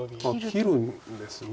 切るんですね。